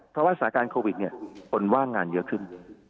เพราะว่าสถานการณ์โควิดคนว่างงานเยอะขึ้น